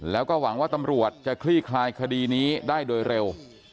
แล้วก็หวังว่าตำรวจจะคลี่คลายคดีนี้ได้โดยเร็ว